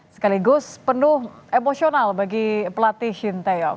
sekaligus penuh emosional bagi pelatih shin taeyong